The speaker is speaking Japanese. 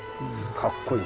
かっこいい。